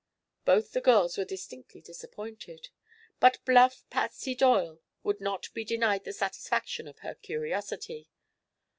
Both the girls were distinctly disappointed. But bluff Patsy Doyle would not be denied the satisfaction of her curiosity.